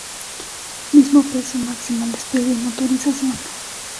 Mismo peso máximo al despegue y motorización.